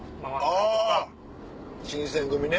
あ新選組ね。